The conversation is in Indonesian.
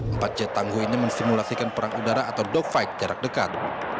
empat jet tangguh ini mensimulasikan perang udara atau dogfight jarak dekat